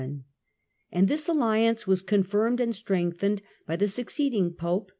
and this alliance was Pope confirmed and strengthened by the succeeding Pope v.